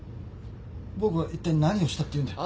僕がいったい何をしたっていうんだ？